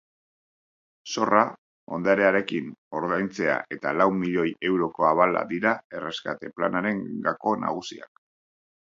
Zorra ondarearekin ordaintzea eta lau milioi euroko abala dira erreskate planaren gako nagusiak.